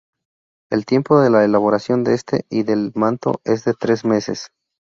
El tiempo de la elaboración de este y del manto es de tres meses.